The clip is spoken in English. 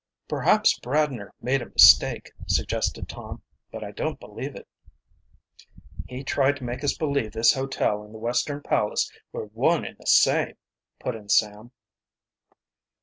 "Perhaps Bradner made a mistake," suggested Tom. "But I don't believe it." "He tried to make us believe this hotel and the Western Palace were one and the same," put in Sam.